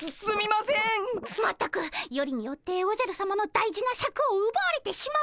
まったくよりによっておじゃるさまの大事なシャクをうばわれてしまうとは。